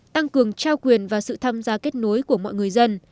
tăng cường trao quyền và sự tham gia kết nối của mọi người dân